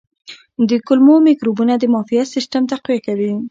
د کولمو مایکروبونه د معافیت سیستم تقویه کوي.